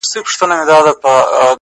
د مخ پر لمر باندي رومال د زلفو مه راوله؛